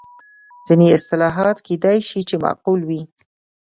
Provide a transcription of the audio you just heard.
ځینې اصلاحات کېدای شي چې معقول وي.